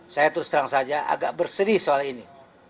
saya terus terang saja agak bersedih soal ini